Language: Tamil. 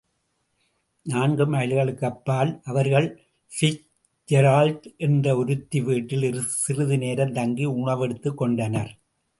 நான்கு மைல்களுக்கு அப்பால் அவர்கள் பிட்ஸ்ஜெரால்டு என்ற ஒருத்தி வீட்டில் சிறிது நேரம் தங்கி உணவெடுத்துக்கொண்டனர்.